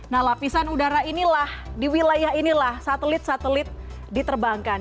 nah lapisan udara inilah di wilayah inilah satelit satelit diterbangkan